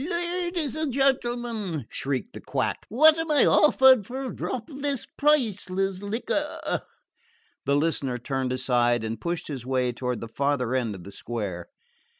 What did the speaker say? "Ladies and gentlemen," shrieked the quack, "what am I offered for a drop of this priceless liquor?" The listener turned aside and pushed his way toward the farther end of the square.